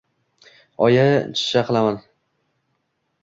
Oyi, chishsha qilamaaaan